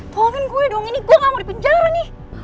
ngomongin kue dong ini gue gak mau di penjara nih